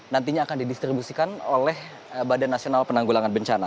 nantinya akan didistribusikan oleh badan nasional penanggulangan bencana